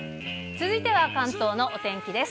続いては関東のお天気です。